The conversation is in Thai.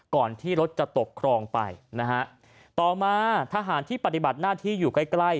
ก่อนที่รถจะตกครองไปนะฮะต่อมาทหารที่ปฏิบัติหน้าที่อยู่ใกล้ใกล้